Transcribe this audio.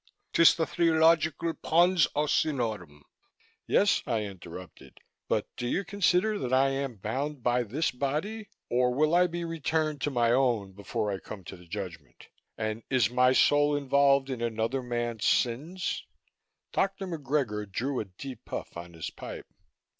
'Tis the theological pons asinorum." "Yes," I interrupted, "but do you consider that I am bound by this body or will I be returned to my own before I come to the Judgment? And is my soul involved in another man's sins?" Dr. McGregor drew a deep puff on his pipe.